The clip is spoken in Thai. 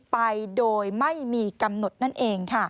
ไปโดยไม่มีกำหนดนั่นเองค่ะ